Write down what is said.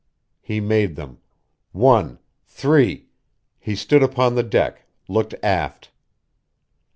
He made them; one ... three.... He stood upon the deck, looked aft....